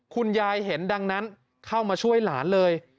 คุณยายเห็นดังนั้นเข้ามาช่วยหลานเลย